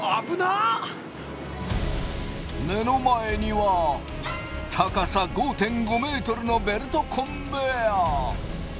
目の前には高さ５．５ｍのベルトコンベヤー。